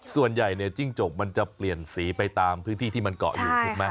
ส่วนใหญ่จิ้งจกมันจะเปลี่ยนสีไปตามพื้นที่ที่มันเกาะอยู่